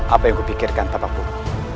apa yang kupikirkan tak apa pun